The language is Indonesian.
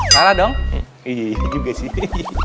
parah dong iya juga sih